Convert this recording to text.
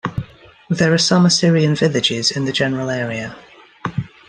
There are some Assyrian villages in the general area.